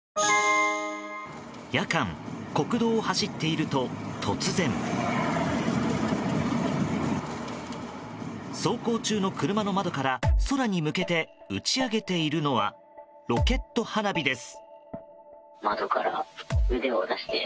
夜間、国道を走っていると突然走行中の車の窓から空に向けて打ち上げているのはロケット花火です。